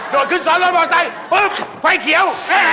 โดดขึ้นสอนรถมอเตอร์ไซค์ปึ๊บไฟเขียว